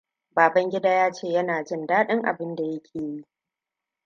Babangida ya ce yana jin daɗin abinda yake yi.